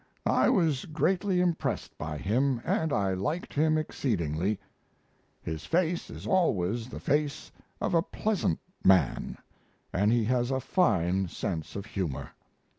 I was greatly impressed by him, and I liked him exceedingly. His face is always the face of a pleasant man and he has a fine sense of humor.